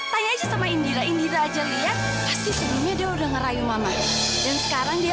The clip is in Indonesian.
tanya aja sama indira indira aja lihat pasti sebelumnya dia udah ngerayu mama dan sekarang dia